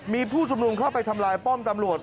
มีผู้ชุมนุมเข้าไปทำลายป้อมตำรวจ